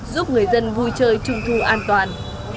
giúp người dân vui chơi trung thu an toàn